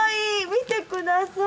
見てください。